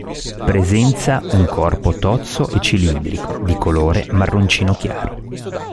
Presenza un corpo tozzo e cilindrico, di colore marroncino chiaro.